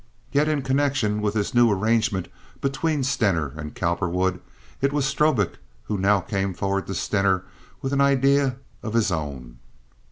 Yet in connection with this new arrangement between Stener and Cowperwood, it was Strobik who now came forward to Stener with an idea of his own.